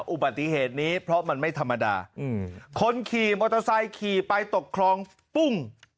อุบัติเหตุนี้เพราะมันไม่ธรรมดาคนขี่มอเตอร์ไซค์ขี่ไปตกคลองปุ้ง